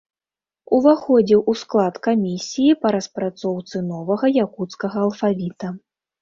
Уваходзіў у склад камісіі па распрацоўцы новага якуцкага алфавіта.